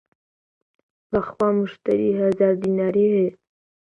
بە خوا موشتەری هەزار دیناری هەیە!